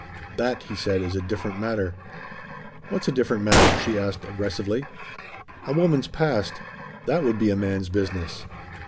"That," he said, "is a different matter." "What's a different matter?" she asked aggressively. "A woman's past. That would be a man's business."